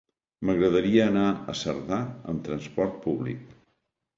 M'agradaria anar a Cerdà amb transport públic.